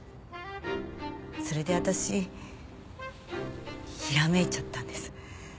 それで私ひらめいちゃったんです。